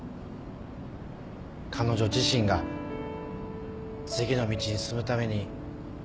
彼女自身が次の道に進むために。